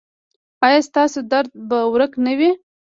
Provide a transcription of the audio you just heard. ایا ستاسو درد به ورک نه وي؟